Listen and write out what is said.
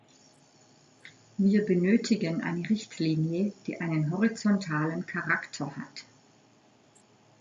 Wir benötigen eine Richtlinie, die einen horizontalen Charakter hat.